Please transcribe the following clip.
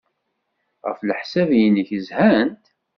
Ɣef leḥsab-nnek, zhant?